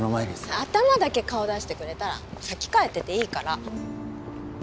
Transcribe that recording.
頭だけ顔出してくれたら先帰ってていいから